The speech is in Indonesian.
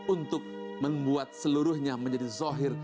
untuk membuat seluruhnya menjadi zohir